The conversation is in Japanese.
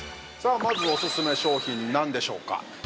まず、オススメ商品何でしょうか。